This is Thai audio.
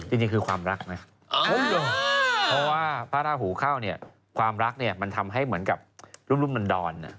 จริงคือความรักนะเพราะว่าพระราหูเข้าเนี่ยความรักเนี่ยมันทำให้เหมือนกับรุ่มดอน